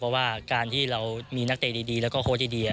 เพราะว่าการที่เรามีนักเตะดีและโค้ดดี